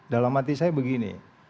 dalam hati saya begini